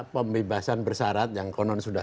pembebasan bersarat yang konon sudah